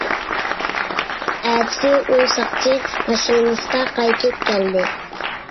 ئەتىسى ئۇ ساقچى ماشىنىسىدا قايتىپ كەلدى.